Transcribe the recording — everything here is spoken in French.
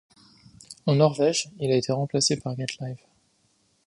En Norvège, il a été remplacé par getlive.